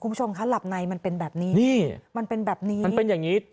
คุณผู้ชมคะหลับในมันเป็นแบบนี้นี่มันเป็นแบบนี้มันเป็นอย่างงี้